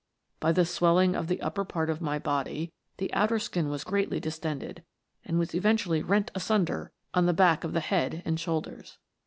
By the swelling of the upper part of my body, the outer skin was greatly distended, and was eventually rent asunder on the back of the head and shoulders.